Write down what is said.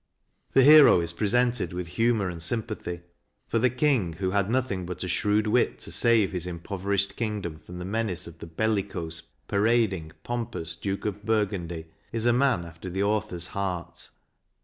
The hero is presented with humour and sympathy, for the King, who had nothing but a shrewd wit to save his impoverished kingdom from the menace of the bellicose, parading, pompous Duke of Burgundy, is a man after the author's heart.